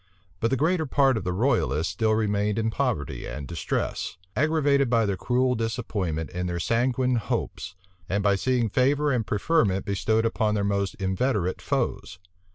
But the greater part of the royalists still remained in poverty and distress, aggravated by the cruel disappointment in their sanguine hopes, and by seeing favor and preferment bestowed upon their most inveterate foes.